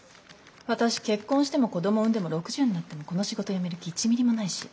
私結婚しても子どもを産んでも６０になってもこの仕事やめる気１ミリもないし。